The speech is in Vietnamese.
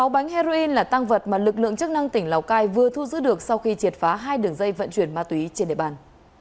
một mươi bánh heroin là tăng vật mà lực lượng chức năng tỉnh lào cai vừa thu giữ được sau khi triệt phá hai đường dây vận chuyển ma túy trên địa bàn